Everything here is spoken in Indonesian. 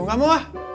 lo gak mau ah